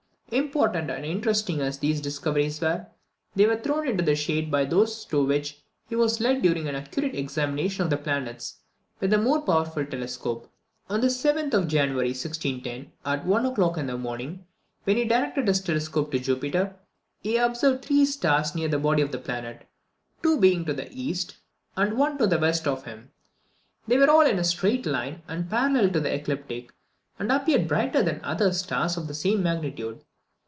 Important and interesting as these discoveries were, they were thrown into the shade by those to which he was led during an accurate examination of the planets with a more powerful telescope. On the 7th of January 1610, at one o'clock in the morning, when he directed his telescope to Jupiter, he observed three stars near the body of the planet, two being to the east and one to the west of him. They were all in a straight line, and parallel to the ecliptic, and appeared brighter than other stars of the same magnitude.